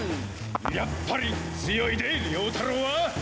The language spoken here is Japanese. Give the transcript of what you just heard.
やっぱり強いで良太郎は。